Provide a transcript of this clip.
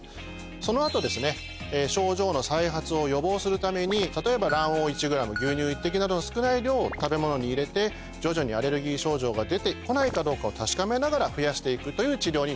その後症状の再発を予防するために例えば卵黄１ｇ牛乳１滴などの少ない量を食べ物に入れて徐々にアレルギー症状が出てこないかどうかを確かめながら増やしていくという治療になります。